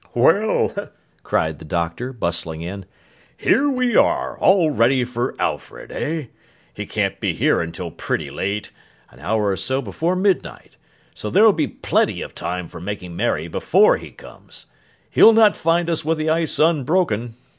'Well,' cried the Doctor, bustling in. 'Here we are, all ready for Alfred, eh? He can't be here until pretty late—an hour or so before midnight—so there'll be plenty of time for making merry before he comes. He'll not find us with the ice unbroken.